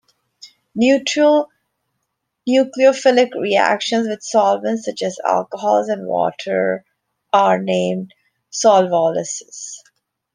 Neutral nucleophilic reactions with solvents such as alcohols and water are named solvolysis.